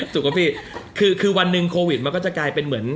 ถูกป่ะพี่คือวันหนึ่งโควิดมันก็จะกลายเป็นเหมือน